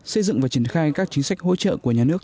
xây dựng và triển khai các chính sách hỗ trợ của nhà nước